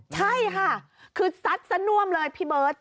ใช่ค่ะคือซัดซะน่วมเลยพี่เบิร์ต